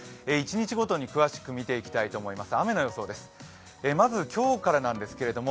一日ごとに詳しく見ていきたいと思います。